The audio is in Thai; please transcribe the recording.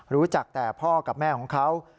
รู้จักแต่พ่อกับแม่ของเขา